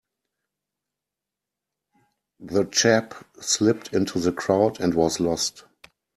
The chap slipped into the crowd and was lost.